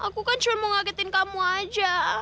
aku kan cuma mau ngagetin kamu aja